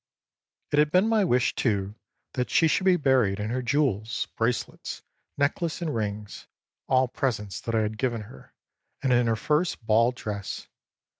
âIt had been my wish, too, that she should be buried in her jewels, bracelets, necklace and rings, all presents that I had given her, and in her first ball dress.